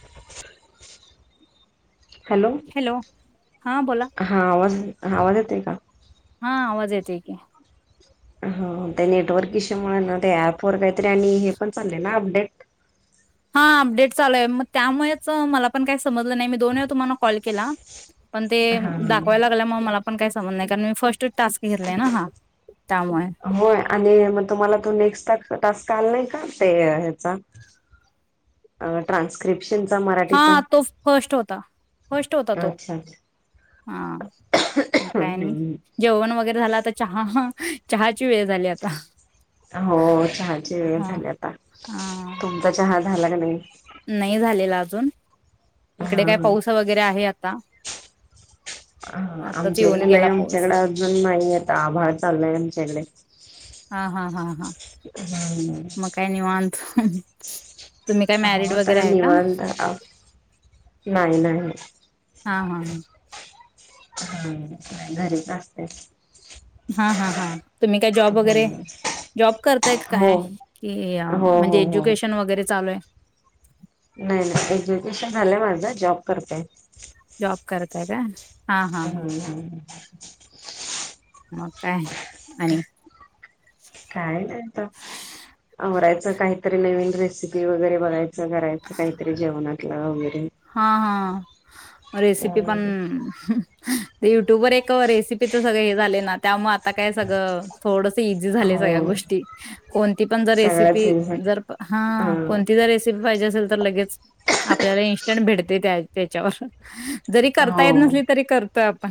[inaudible] Hello हां बोला हां आवाज हवा द येते का हा आवाज येत की हो ते नेटवर्क हिशमुळे ना ते ऍप वर काहीतरी आणि हे पण चालले ना अपडेट हा अपडेट चालू आहे मग त्यामुळेच मला पण काही समजलं नाही मी दोन वेळा तुम्हाला कॉल केला पण ते हा दाखवायला लागल्या मग मला पण काही समज नाही कारण मी फर्स्ट टास्क घेतलाय ना हा त्यामुळे हो आणि मग तुम्हाला तो नेक्स्टार कर का ह्रप हा तो फर्स्ट होता फर्स्ट होता तो अच्छा अच्छा हा काय हम्म, नाही हम्म. जेवण वगैरे झाला आता चहा चहाची वेळ झाली आता हो चहाची वेळ हा झाली आता हा तुमचा चहा भ लागलं नाही झालेला अजून हा इकडे हा काय पाऊस वगैरे आहे आता ह आताच आमच्याकडे येऊन नाही गेला पाऊस आमच्याकडे अजून नाही आता आभाड चाललाय आमच्याकडे हा हा हा हा हम् मग काय [inaudible] मॅरिड हा वगैरे त्या आहे का निवारता नाही नाही हम् हा हा ह हा घरीच असतेच हा हा हा तुम्ही काय जॉब वगैरे जॉब करताय हो काय की हो हो म्हणजे हो एज्युकेशन वगैरे चालू आहे नाही नाही एजुकेशन झालंय माझं जॉब करतेय जा कररतय का हा हा हा. हम्म हम् [inaudible] मग काय आणि काय नाही आमरायचं काहीतरी नवीन रेसिी वगैरे बघय करायचं काहीतरी जेवणाच ह हा हा रेसिपी पण अ युट्यूबर एक रेसिपीचं सगळं हे झाले ना त्यामुळे आता काय सगळं थोडस इझी झालं हो सगळ्या गोष्टी कोणती पण जर सगळ्याच रेसिपी जर हा कोणती जर रेसिपी पाहिजे असेल तर लगेच आपल्याला इ ण भेटते त्या त्याच्यावर जरी करता येत हो. नसली तरी कर तर पण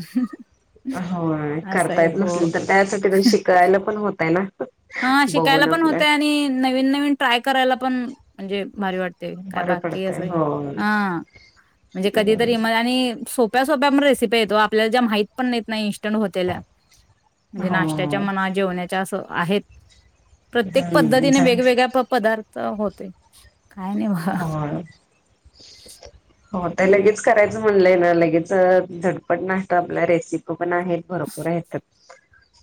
हो करता येत नसल तर त्यासाठी पण शिकायला पण होतय ना हा शिकायला बघून पण आपलं होतय आणि नवीन नवीन ट्राय करायला पण म्हणजे भारी वाटते काय बरं बाकी पडतय असं हो. ह म्हणजे हो कधीतरी आणि स सोप्या सोप्या प रेसिपीेतो आपल्याला ज माह पण नाही इंस्ट होते म्हणजे नाश्त्याच्या मना जेवण्याच्या असं आहेत प्रत्येक पद्धतीने हम्म वेगवेगळ्या पदार्थ तर होते काय नाही बघा. हो हो ते लगेच करायचं म्हणलंय ना लगेच झडपट नाहीत आपल्या रेसिपी पण आहेत भरपूर येत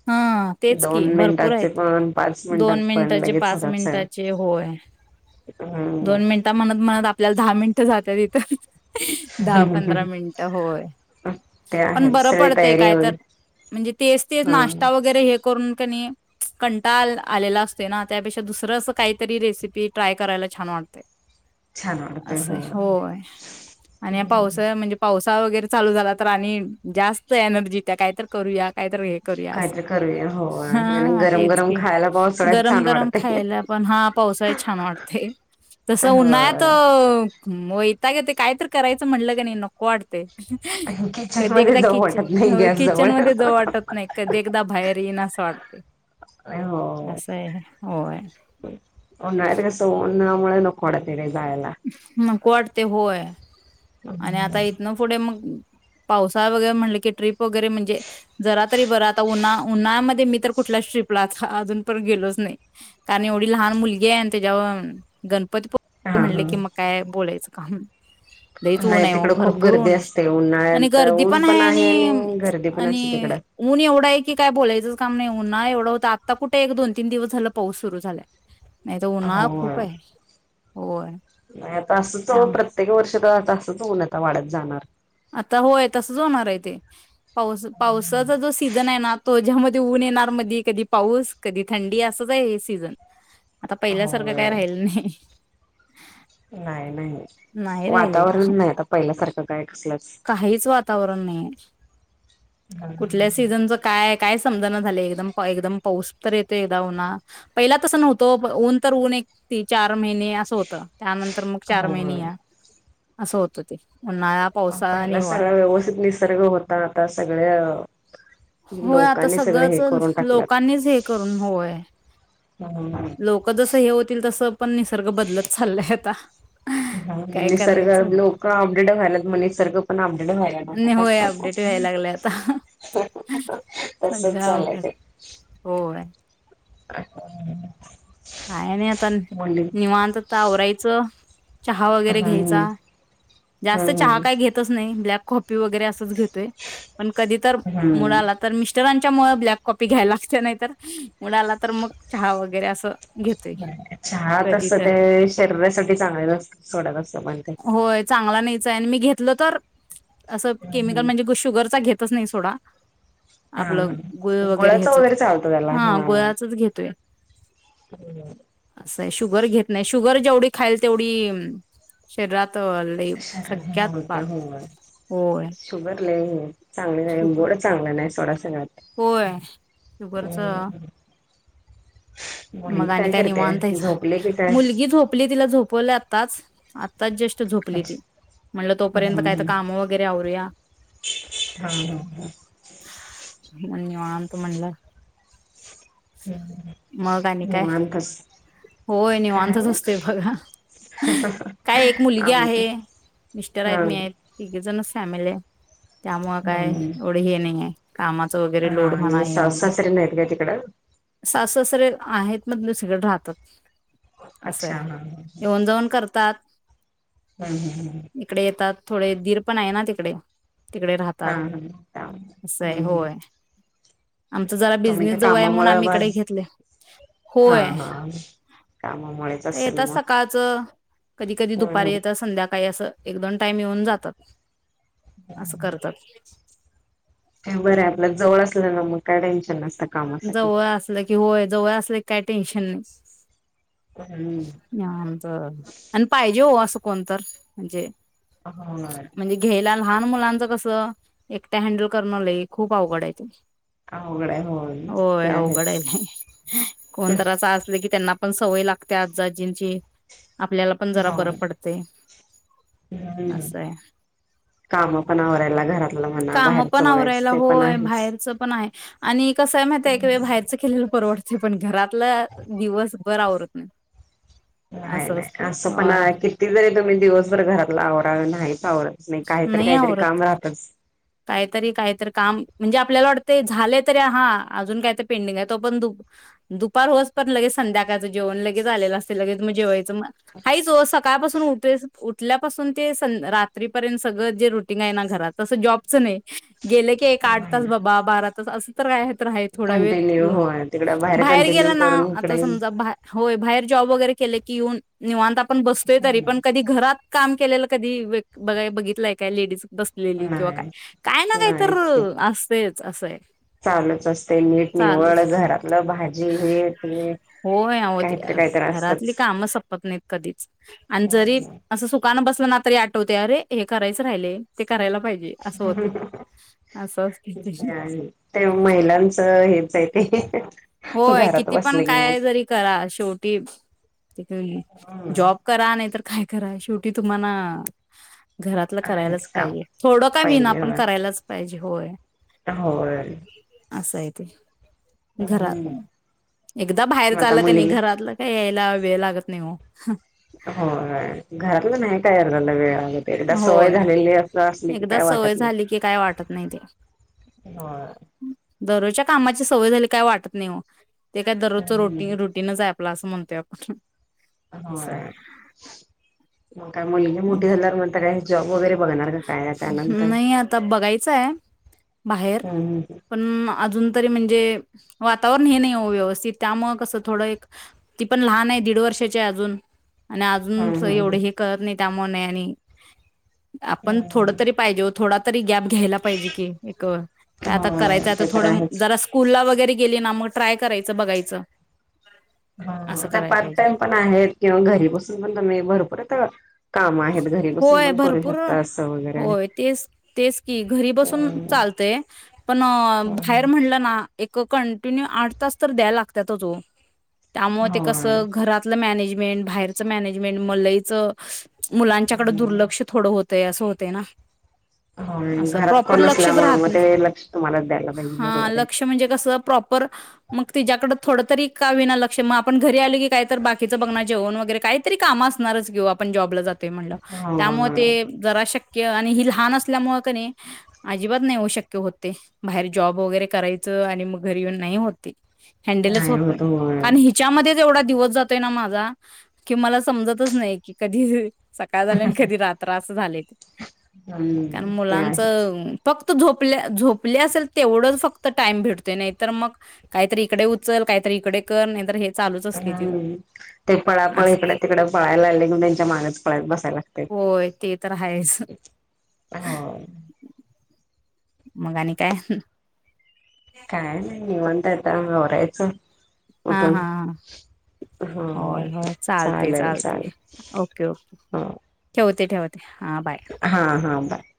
हां, तेच की दोन भरपूर मिनटाचे आहेत. पण पाच मिनटात पण मिनिटाचे, लगेच होच मिनिटाचे ता मणत म्हणत आपल्याला दहा मिनिटं जातात तथं दहा पंधरा मिनिट होय ते पण आहेत बरं सगळी पडतेय तयारी काय तर हा म्हणजे तेच तेच नाश्ता वगैरे हे करून [unintelligible] कंटाला आलेला असते ना, -त्यापेक्षा दुसरं असं काहीतरी रेसिपी ट्राय करायला छान वाटते. छान वाटतंय असं होय आणि पावसाळा म्हणजे पाऊस वैगरे चालू झाला तर आणि जास्त एनर्जी त्या काही तर करू या काय तर हे करूया अस. काहीतरी करूया होय आणि हा गरम तेच गरम की खायला पावसाळ्यात गरम छान गरम वाटतंय. खायला पण हा पावसाळी छान वाटते. तस उन्हाळ्यात होय. अ मोयताग येतंय काय तर करायचं म्हटलं का नाही नको वाटते. [unintelligible] किचन कधी मध्ये एकदा जाऊ किचन वाटत नाही. होय गॅस किचन जवळ मध्ये जाउ वाटत नाही. कधी एकदा बाहेर येईन असं वाटत. अ हो हो होय [unintelligible] सो मुळे नकोडत [unintelligible] म [unintelligible] ते हो आहे. आणि आता इथना पुढे मग पावसाळा वगैरे म्हणलं की ट्रिप वगैरे म्हणजे जरा तरी बरं आता उन्हा उन्हाळमध्ये मी तर कुठल्याच ट्रिप ला अजून पर्यंत गेलोच नाही. कारण एवढी लहान मुलगी आहे त्याच्यावर गण [unintelligible] हा हा म्हनले की मग काय बोलायचं? अ हूं. लईच ऊन नाही आहे ओ. तिकडं खूप भरपूर गर्दी ऊन आहे असते आणि उन्हाळ्यात गर्दी पण ऊन आहे आणि गर्दी पण असते -आणि तिकडं ऊन एवढा आहे की काय बोलायचं. काम नाही हो एवढं होत आता कुठे एक दोन तीन दिवस झालं पाऊस सुरू झालाय. नाही तर उन्हाळा होय खूप आहे. होय नाही आता असच चालू त्यामुळं प्रत्येक वर्ष तर तसच ऊन आता वाढत जाणार. आता होय तसच होणार आहे ते. पाऊस पावसाचा जो सीझन आहे ना तो ज्यामध्ये ऊन येणार मधी कधी पाऊस, कधी थंडी, असच आहे हे सीझन. आता पहिल्यासारखं काय होय राहिल नाही. ह नाही- नाही. नाही राहिलेलं. वातावरण नाही आता पहिल्यासारखं काय कसलंच काहीच वातावरण नाही आहे. कुठल्या सीझनच काय काय समजना झालेय एकदम. एकदम पाऊस तर येतो एकदा उन्हा पहिला तसं नव्हतो ऊन तर ऊन एक ती चार महिने असं होत. त्यानंतर मग चार हो ग. महिने या असं होत ते. उन्हाळा, पावसाळा, नि पहिला हीवाळा. सगळा व्यवस्थित निसर्ग होता आता सगळ्या होय आता लोकांनी सगळं हे करून सगळंच टाकल्यात लोकांनीच हे करून होय. हम्म. लोक जस हे होतील तस पण निसर्ग बदलत चाललाय आता. ह काय निसर्ग करायचं लोक अपडेट व्हायलात म निसर्ग पण अपडेट व्हायला नको आणि होय का? अपडेट व्हायला लागले आता. सगळं तसच चालंय अवघड ते. होय हम्. काय नाही आता निवांततावरायचं. चहा वगैरे घ्यायचा हम्म जास्त चहा हम्म काही घेतच नाही ब्लॅक. [unintelligible] ब्लक हम्म कॉपी घ्यायला लाग नाही मुला तर मग चहा वगैरे अस. छात असत ते शरीरासाठी चांगलेत सोडत असत पण ते. होय चांगला नाहीच आणि मी घेतलं तर. असं केमिकल हम्म म्हणजे शुगरचा घेत. तस नाही सोडा. हा आपलं गुळ हा वगैरे गुळाचं ह्याचच चालतं त्याला हा गुळ्याचच घेतोय. असं आहे शुगर घेत नाही शुगर. जेवढी खाल तेवढी शरीरात. ल शरीर सगळ्यात प होय. [inaudible] चांगली नाही शुगर गोड चांगलं नाही सोडासा घ. होय शुगरच मग मुलगी आणि काय करते निवांताय झोपले की काय मुलगी झोपली तिला झोपलं. आताच आ. आता जस्ट झोपली ती अच्छा म्हणलं हम्म तोपर्यंत काय तर हम्म काम वगैरे आूया. हा हा म्ह आम त म्हणलं. हम्म मग आणि काय निवांतच. होय काय निवांतच असते नाही बघा काय एक मुलगी आम्ही पण आहे मिस्टर आहेत मी हा आहेत ते. स आमे. त्यामुळ काय हम्म एवढं हे नाही आहे. कामाचं वगैरे हा लोड म्हणा न स हे सहासरन येत का तिकड. असं सरे आहेत मग म सगळें राहतात. अच्छा असंय हा येऊन जाऊन करतात. हम् हम हम्. इकडे येतात थोडे एक धीर पण आहे ना तिकडे. तिकडे हा राहतात हा त्यामुळे असंय हम्म होय. आमचा जरा तुम्ही बिझनेस त्या जवळ आहे म्हणून कामामुळे आम्ही इकडे आवाज घेतले हा होय. हा कामामुळेच तर असेल येतात मग सकाळचं कधी कधी हम्म दुपारी हम्म येत संध्याकाळी असं. एक दोन टाईम येऊन जातात. असं करतात. ते बरं आपल्याला जवळ असल्या ना मग काय टेन्शन नसत. जवळ असलं कि होय. जवळ असले काही टेन्शन नाही. हम्म नात आणि पाहिजे हो असं. कोणतर म्हणजे. ह. म्हणजे घ्यायला लहान मुलांच कसं एकट्या हँडल करण ल खूप आवघड आहे ती. हा होघड होय. होय ते अवघड आहेच आहे नाही कोणत असं असले की त्यांना. पण सवय लागते आजजींची. आपल्याला पण जरा बरं होय पडते हम्म असं आहे काम पण आवरायला घरातलं म्हणा काम पण बाहेरचं आवरायला बघायचं ते पण होय आहेच बाहेरच पण आहे. आणि. कस आहे माहि त्या वे हम्म व बाहेरच केलेलं परवतं. पण घरात. दिवसभर आवरत. हम्. नाही नाही असं पण किती जरी तुम्ही दिवसभर घरातला आवराल नाहीच आवरा. नाही काहीतरी काहीतरी काम राहतच. काहीतरी काहीतरी काम म्हणजे आपल्याला वाटते झाले तरी हा अजून काय तर पेंडिंग आहे तो पण दु दुपार होच पण लगेच संध्याकाळचं जेवण लगेच आलेलं असते लगेच मग जेवायच. [unintelligible] कायपासून उ उल्यापासून ते रात्रीपर्यंत सगळं जे रुटीन आहे ना घरात तसं जॉब. च नाही. गेले की एक आठ नाही तास ना बाबा बारा. असं तर काय. तर आहे थोड वेळ कंटिन्यू होय तिकड बाहेर कंटिन्यू गेला ना करून इकडे आता समजा बाहेर जर. केले क येऊन निवांता. पण बसतोय तरी पण कधी घरात काम केलेलं. कधी बघा बघितलंय काय लेडीज. बसलेली किंवा काय. नाही काय ना काही तर नाहीच असतेच असय चालूच असते नीट चाल निवड घरातलं भाजी हे ते होय काहीतरी काहीतरी घरातली असतच काम संपत नाहीत कधीच आणि जरी अस सुकान बस. मला तरी आठवते अरे हे करायच राहिले ते करायला पाहिजे. असं होते. असं असते ते ते महिलांचं हे. [unintelligible] होय किती पण काय जरी करा शेवटी जॉब करा नाही तर काय. करा शेवटी तुम्हाला. घरातलं करायलाच आहेच काम पाहिजे थोडं का विना पाहिजे पण होय करायलाच पाहिजे. होय. होय. असं आहे ते. [inaudible] घरात एकदा बाहेर आता चालं कणी मुलगी घरातलं काय यायला वेळ लागत नाही वो. हा. होय घरातलं नाही काय आवरायला वेळ. एकदा सवय होय. झालेली अस असली की एकदा काय वाटत सवय नाही. झाली की काय वाटत नाही ते. होय. दररोजच्या कामाची सवय झाली की काय वाटत नाही वो. ते काय दररोजं रोटी हम्म रोटींच आहे आपल. असं म्हणतात. होय म काय. मुलगी मोठी झाल्यावर मन त काय. जॉब वगैरे. बघणार का काय त्यानंतर नाही आता बघायचं हाय बाहेर हम्म पण अजून तरी म्हणजे. वातावरण हे नाही वो व्यवस्थित त्यामुळ कस थोड ती पण लहान आहे दीड वर्षाची अजून. आणि अजून हम्म एवढ हम्म हे कळत नाहीत. त्यामुळं आणि. आपण थोडं हम्म तरी पाहिजे होत. थोडा तरी गॅप. घ्यायला पाहिजे कि, आता होय करायचं ते तर थोड आहेच. जरा स्कूलला व. गैरे गेली ना मग, ट्राय करायच, बघायच. आता पार्ट टाइम पण आहेत, किंवा घरी बसून पण तुम्ही भरपूर आता काम आहेत, घरी बसून होय पण करू भरपूर शकता. असं वगैरे होय तेच-तेच की घरी बसून चालतय पण बाहेर म्हणलं ना. एक कंटिन्यू आठ तास तर द्याय लागत्यातच वो. त्यामुळे ते कसं होय. घरातलं मॅनेज. मेंट बाहेरच मॅनेजमेंट म लईच. मुलांच्याकडे दुर्लक्ष. होतय, असं होतय ना? हो अस घरात प्रॉपर कोण लक्षच असल्यामुळे राहत मग नाही. ते लक्ष तुम्हालाच द्यायला पाहिजे हां बरोबर आहे. लक्ष म्हणजे कस प्रॉपर मग तीच्याकड थोड तरी का विना लक्ष म आपण घरी आलो की काहीत बाकीचं बघ जेवण वगैरे काहीतरी काम असणारच कि वो आपण जॉबला जात ते म्हनल्य त्यामुळ ते हो जरा शक्य कि आणि ही लहान असल्यामुळ क नाय अजिबात नाही हो शक्य होत ते. बाहेर जॉब वगैरे करायचं आणि मग घरी येऊन नाही होत ते. हॅण्डलच होत नाही आणि हिच्यामध्ये तेवढा दिवस जातोय ना, माझा की मला समजतच नाही की कधी सकाळ झाली नी कधी रात. त्रास झालेत. त्या हम्म ते आहेच. मुलांचं फक्त तो झोपल्या -झोपले असेल तेवढंच फक्त टाइम भेटतोय. नाही तर मग काहीतरी इकडे उचल, काहीतरी इकडे कर, नाही तर हे चालूच असते तिचं. हूं ते पळापळ असं इकड तिकड पळायला लागले कि त्यांच्या मागच पळत बसाय लागतय. होय ते तर आहेच. मग आणि काय? काय नाही, निवांत. पर तन आवरायचं [unintelligible] हा हा हा होय, हो. होय चालते, चालेल चालते चालेल ओके ओके हो ठेव. ते ठेवा त्या. हा हा बाय.